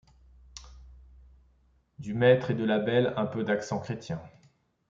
Du maître et de la belle un peu d'accent chrétien